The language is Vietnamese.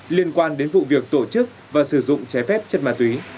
liên quan đến vụ việc tổ chức và sử dụng trái phép chất ma túy